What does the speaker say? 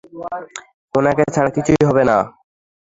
ওনাকে ছাড়া কিছুই হবে না।